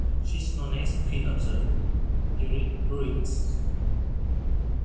She is known as "Queen of the Druids".